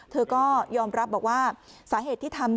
เธอก็ยอมรับบอกว่าสาเหตุที่ทำ